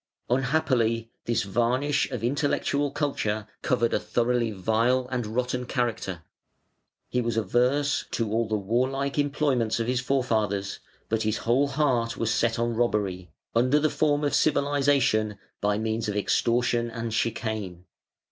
Unhappily, this varnish of intellectual culture covered a thoroughly vile and rotten character. He was averse to all the warlike employments of his forefathers, but his whole heart was set on robbery, under the form of civilisation, by means of extortion and chicane.